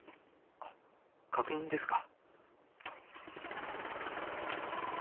あっ確認ですか。